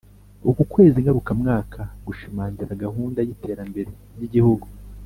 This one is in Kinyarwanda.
Uku kwezi ngarukamwaka gushimangira gahunda y’ iterambere ry’ Igihugu